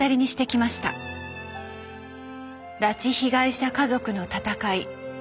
拉致被害者家族の闘い。